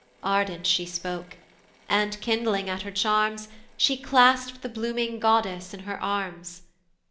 Ardent she spoke, and, kindling at her charms, She clasp'd the blooming goddess in her arms.